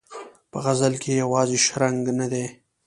په غزل کې یې یوازې شرنګ نه دی.